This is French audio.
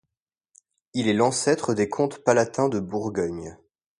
Il est l'ancêtre des comtes palatins de Bourgogne.